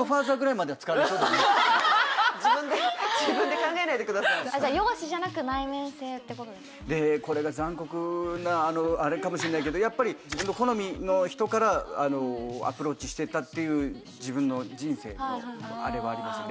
自分で自分で考えないでくださいでこれが残酷なあれかもしれないけどやっぱり自分の好みの人からアプローチしてたっていう自分の人生のあれはありますよね